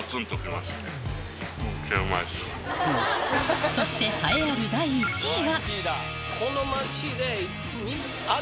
すごい！そして栄えある第１位は？